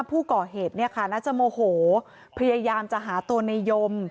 ผู้ก่อเหตุเนี่ยค่ะน่าจะโมโหพยายามจะหาตัวในยม